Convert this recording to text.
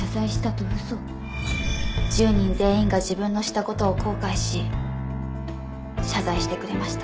１０人全員が自分のした事を後悔し謝罪してくれました。